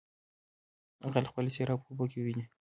ـ غل خپله څېره په اوبو کې ويني.